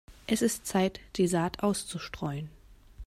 Es ist Zeit, die Saat auszustreuen.